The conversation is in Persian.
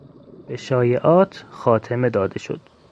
به شایعات خاتمه داده شد.